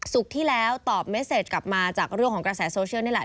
ที่แล้วตอบเมสเซจกลับมาจากเรื่องของกระแสโซเชียลนี่แหละ